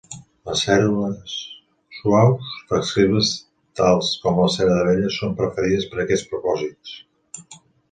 Les ceres suaus, flexibles tals com la cera d'abelles són preferides per a aquests propòsits.